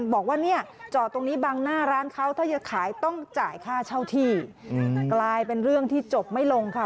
บอกว่าเนี่ยจอดตรงนี้บังหน้าร้านเขาถ้าจะขายต้องจ่ายค่าเช่าที่กลายเป็นเรื่องที่จบไม่ลงค่ะ